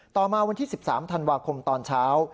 ต่อมาวันที่๑๓ธันวาคมตอนเช้า